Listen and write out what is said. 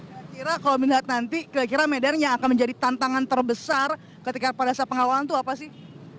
kira kira kalau melihat nanti kira kira medan yang akan menjadi tantangan terbesar ketika pada saat pengawalan itu apa sih